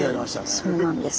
そうなんです。